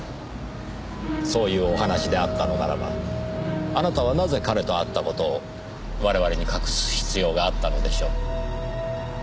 そういうお話であったのならばあなたはなぜ彼と会った事を我々に隠す必要があったのでしょう？